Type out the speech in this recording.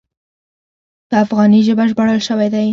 په افغاني ژبه ژباړل شوی دی.